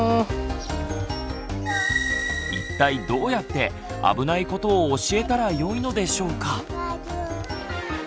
一体どうやって危ないことを教えたらよいのでしょうか？